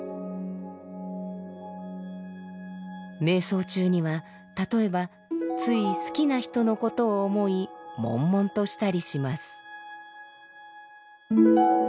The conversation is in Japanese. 瞑想中には例えばつい好きな人のことを思い悶々としたりします。